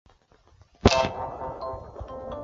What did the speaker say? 首府佛罗伦萨。